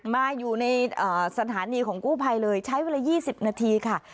มาอยู่ในอ่าสถานีของกู้ไพเลยใช้เวลายี่สิบนาทีค่ะ